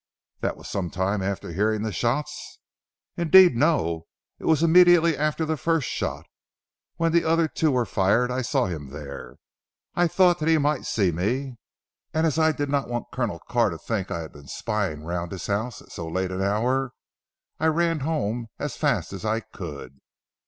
"That was some time after hearing the shots?" "Indeed no. It was immediately after the first shot. When the other two were fired I saw him there. I thought that he might see me, and as I did not want Colonel Carr to think I had been spying round his house at so late an hour, I ran home as fast as I could.